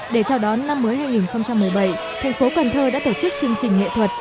để chào đón năm mới hai nghìn một mươi bảy thành phố cần thơ đã tổ chức chương trình nghệ thuật